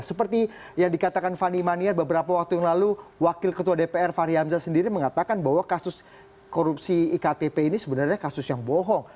seperti yang dikatakan fani maniar beberapa waktu yang lalu wakil ketua dpr fahri hamzah sendiri mengatakan bahwa kasus korupsi iktp ini sebenarnya kasus yang bohong